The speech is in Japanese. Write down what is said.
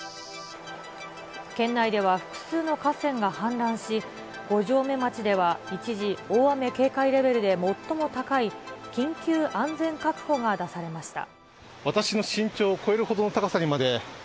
県内では複数の河川が氾濫し、五城目町では一時、大雨警戒レベルで最も高い、緊急安全確保が出されました。